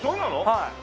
はい。